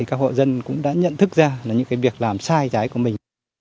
các hộ dân cũng đã nhận thức ra những việc làm sai trái của mình